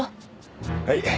はい。